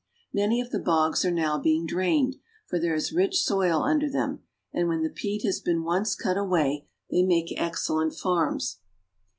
27 Many of the bogs are now being drained, for there is rich soil under them, and when the peat has been once cut away, they make excellent farms.